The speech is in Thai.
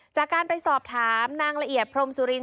จากการไปสอบถามนางละเอียดพรมสุริน